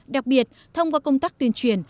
đặc biệt thông qua công tác tuyên truyền